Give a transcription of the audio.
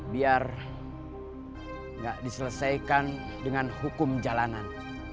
biar nggak diselesaikan dengan hukum jalanan